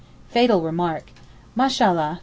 Fatal remark. 'Mashallah!